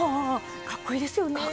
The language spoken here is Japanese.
かっこいいですよね。